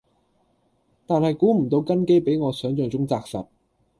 但係估唔到根基比我想像中紮實